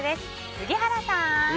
杉原さん！